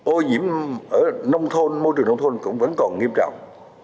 ôi dĩ ở nông thôn môi trường nông thôn cũng vẫn còn nghiêm trọng